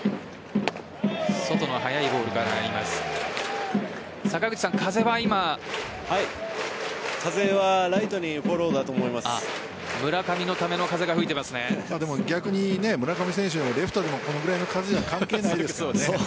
外の速いボールから入ります風は村上のための風が逆に村上選手でもレフトでもこれくらいの風じゃ関係ないですよね。